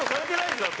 だって。